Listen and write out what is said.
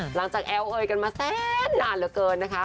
หลังจากแอ้วเอยกันมาแสนหนาดเหลือเกินนะคะ